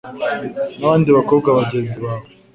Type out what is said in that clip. n'abandi bakobwa bagenzi bawe